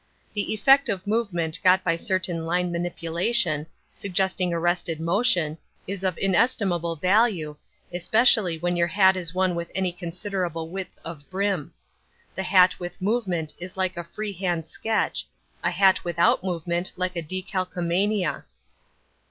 The effect of movement got by certain line manipulation, suggesting arrested motion, is of inestimable value, especially when your hat is one with any considerable width of brim. The hat with movement is like a free hand sketch, a hat without movement like a decalcomania.